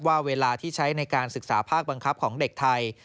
ว่าเวลาที่ใช้ในการศึกษาภาคบังคับของเด็กไทย